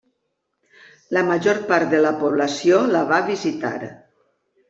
La major part de la població la va visitar.